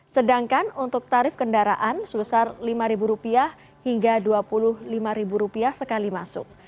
sedangkan untuk tarif kendaraan sebesar rp lima hingga rp dua puluh lima sekali masuk